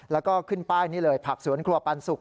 แล้วก็ขึ้นป้ายนี่เลยผักสวนครัวปันสุก